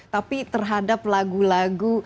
tapi terhadap lagu lagu